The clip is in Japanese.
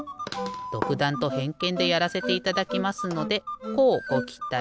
どくだんとへんけんでやらせていただきますのでこうごきたい。